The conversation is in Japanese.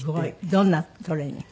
どんなトレーニング？